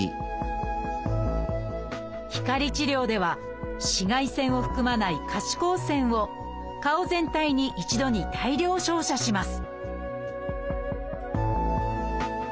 光治療では紫外線を含まない可視光線を顔全体に一度に大量照射します